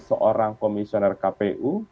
seorang komisioner kpu